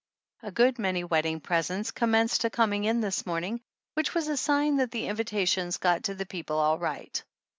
A good many wedding presents commenced to coming in this morning, which was a sign that the invitations got to the people all right.